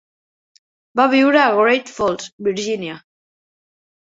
Va viure a Great Falls, Virgínia.